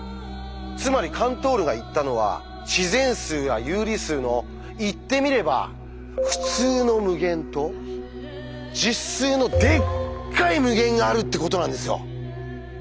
つまりカントールが言ったのは自然数や有理数の言ってみれば「ふつうの無限」と実数の「でっかい無限」があるってことなんですよ。